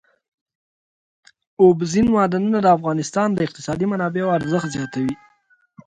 اوبزین معدنونه د افغانستان د اقتصادي منابعو ارزښت زیاتوي.